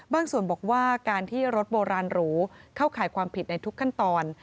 ส่วนบอกว่าการที่รถโบราณหรูเข้าข่ายความผิดในทุกขั้นตอน